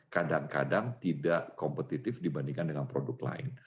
kadang kadang tidak kompetitif dibandingkan dengan produk lain